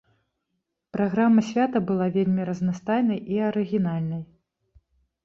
Праграма свята была вельмі разнастайнай і арыгінальнай.